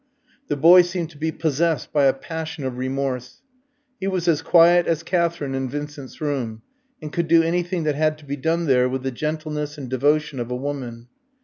The boy seemed to be possessed by a passion of remorse. He was as quiet as Katherine in Vincent's room, and could do anything that had to be done there with the gentleness and devotion of a woman.